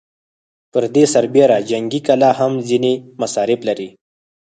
پر دې سربېره جنګي کلا هم ځينې مصارف لري.